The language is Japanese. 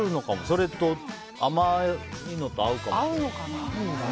それと甘いのと合うのかも。